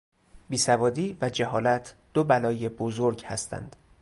بیسوادی و جهالت دوبلای بزرگ هستند.